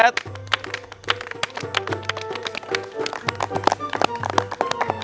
tepuk tangan buat timnya butet